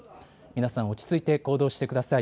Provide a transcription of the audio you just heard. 皆さん、落ち着いて行動してください。